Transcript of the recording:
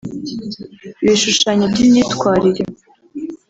ibishushanyo by’imyitwarire